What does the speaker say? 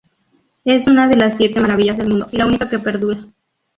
Es una de las Siete Maravillas del Mundo, y la única que perdura.